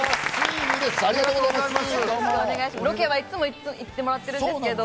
ロケはいつも行ってもらってるんですけど。